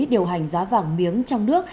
điều hành giá vàng miếng trong nước